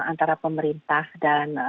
antara pemerintah dan